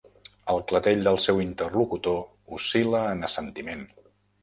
El clatell del seu interlocutor oscil·la en assentiment.